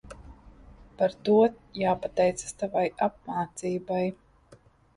Par to jāpateicas tavai apmācībai.